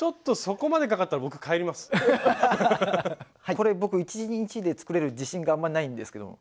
これ僕１日で作れる自信があんまないんですけど。